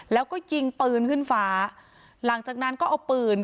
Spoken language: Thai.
แล้วก็ยิงปืนขึ้นฟ้าหลังจากนั้นก็เอาปืน